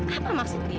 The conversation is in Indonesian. apa maksud dia